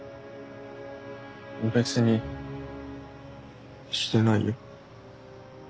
別にしてないよ。